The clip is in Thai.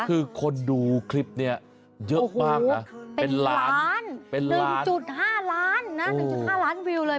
คือคนดูคลิปนี้เยอะมากนะเป็นล้าน๑๕ล้านนะ๑๕ล้านวิวเลย